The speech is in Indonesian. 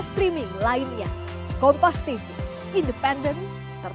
itu yang kita mau menjarakan